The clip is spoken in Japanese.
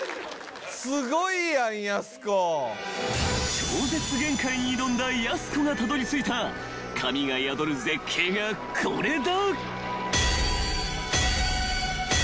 ［超絶限界に挑んだやす子がたどり着いた神が宿る絶景がこれだ］